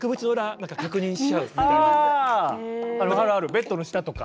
ベッドの下とか。